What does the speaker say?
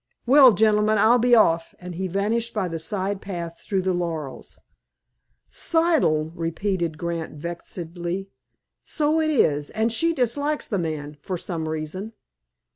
"Well, gentlemen, I'll be off," and he vanished by the side path through the laurels. "Siddle!" repeated Grant vexedly. "So it is. And she dislikes the man, for some reason."